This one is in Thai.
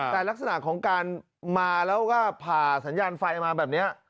แต่ลักษณะของการมาแล้วก็ผ่าสัญญาณไฟมาแบบนี้